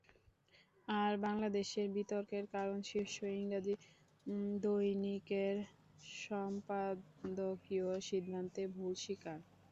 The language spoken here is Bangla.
আর, বাংলাদেশের বিতর্কের কারণ শীর্ষ ইংরেজি দৈনিকের সম্পাদকীয় সিদ্ধান্তে ভুল স্বীকার।